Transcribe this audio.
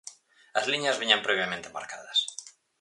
As liñas viñan previamente marcadas.